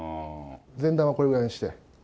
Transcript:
前段はこれぐらいにして。